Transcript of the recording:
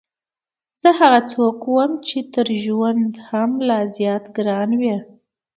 زه هغه څوک وم چې ته تر ژونده هم لا زیات ګران وې.